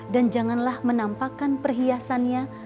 dan janganlah menampakan perhiasannya